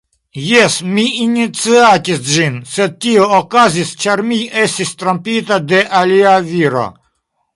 Jes, mi iniciatis ĝin, sed tio okazis ĉar mi estis trompita de alia viro.